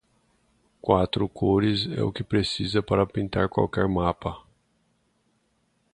Quatro cores é o que preciso para pintar qualquer mapa.